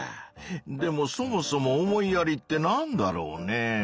でもそもそも「思いやり」ってなんだろうね？